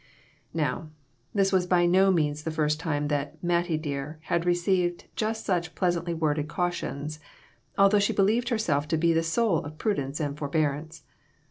Now, this was by no means the first time that "Mattie dear" had received just such pleasantly worded cautions, although she believed herself to be the soul of prudence and forbearance.